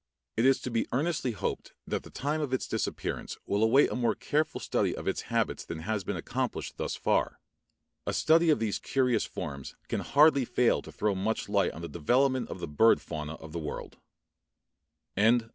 It is to be earnestly hoped that the time of its disappearance will await a more careful study of its habits than has been accomplished thus far. A study of these curious forms can hardly fail to throw much light upon the development of the bird fauna of the world. [Illustration: FROM COL. F.